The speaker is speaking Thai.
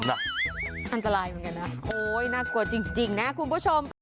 อันตรายเหมือนกันนะโอ๊ยน่ากลัวจริงนะคุณผู้ชม